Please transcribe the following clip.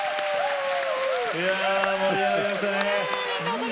盛り上がりましたね。